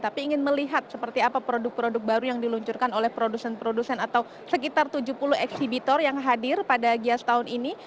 tapi ingin melihat seperti apa produk produk baru yang diluncurkan oleh produsen produsen atau sekitar tujuh puluh eksibitor yang hadir pada gias tahun ini